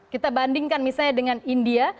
kita bandingkan misalnya dengan india